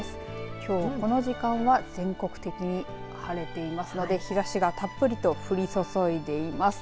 きょう、この時間は全国的に晴れていますので日ざしがたっぷりと降り注いでいます。